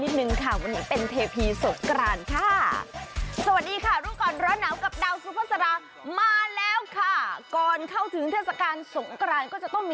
เฮ้ย